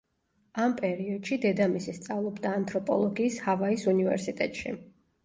ამ პერიოდში, დედამისი სწავლობდა ანთროპოლოგიის ჰავაის უნივერსიტეტში.